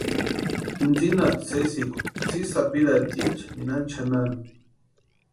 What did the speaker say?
Intsïnhasti sésïkwa tsʼï sapirhatiecha nirani chʼanani.